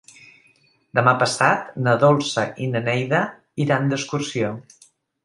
Demà passat na Dolça i na Neida iran d'excursió.